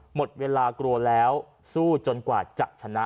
หมดเวลากลัวแล้วสู้จนกว่าจะชนะ